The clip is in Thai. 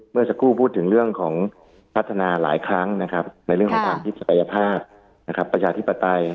เมื่อสักครู่พูดถึงเรื่องของพัฒนาหลายครั้งนะครับในเรื่องของความคิดศักยภาพประชาธิปไตย